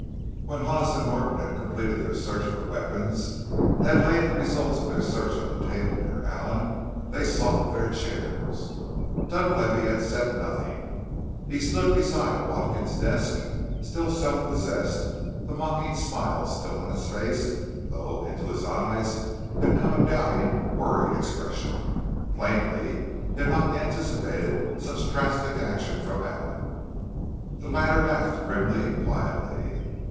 When Hollis and Norton had completed their search for weapons and had laid the result of their search on the table near Allen they sought their chairs. Dunlavey had said nothing. He stood beside Watkins's desk, still self possessed, the mocking smile still on his face, though into his eyes had come a doubting, worried expression. Plainly he had not anticipated such drastic action from Allen. The latter laughed grimly, quietly.